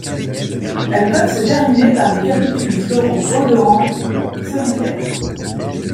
Elles peuvent se terminer par des capitules floraux odorants, solitaires.